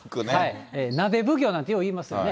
鍋奉行なんてよう言いますわね。